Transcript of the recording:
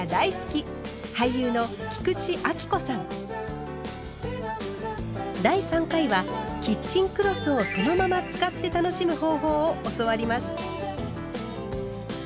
俳優の第３回はキッチンクロスをそのまま使って楽しむ方法を教わります。